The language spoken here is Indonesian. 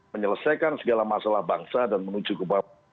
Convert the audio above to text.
menyelesaikan segala masalah bangsa dan menuju ke